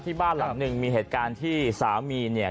บ้านหลังหนึ่งมีเหตุการณ์ที่สามีเนี่ย